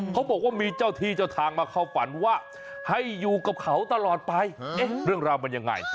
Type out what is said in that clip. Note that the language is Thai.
เขาบอกว่ามีเจ้าที่เจ้าทางมาเข้าฝันว่าให้อยู่กับเขาตลอดไปเรื่องราวมันยังไง